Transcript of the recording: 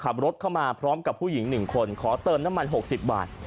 ขับรถเข้ามาพร้อมกับผู้หญิง๑คนขอเติมน้ำมัน๖๐บาท